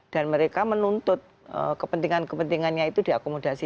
dan mereka menuntut kepentingan kepentingannya itu diakomodasi